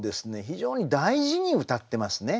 非常に大事にうたってますね